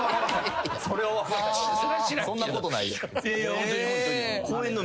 そんなことない。